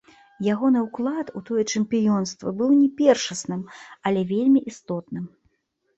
Ягоны ўклад у тое чэмпіёнства быў не першасным, але вельмі істотным.